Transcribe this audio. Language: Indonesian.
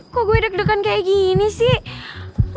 kok gue deg degan kayak gini sih